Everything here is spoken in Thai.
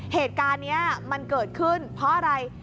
เหตุการณ์นี้มันเกิดขึ้นเพราะอะไร